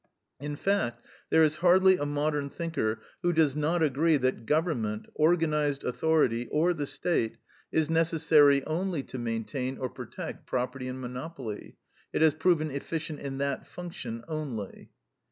In fact, there is hardly a modern thinker who does not agree that government, organized authority, or the State, is necessary ONLY to maintain or protect property and monopoly. It has proven efficient in that function only.